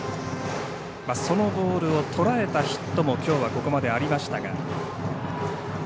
そのボールをとらえたヒットもきょうはここまでありました。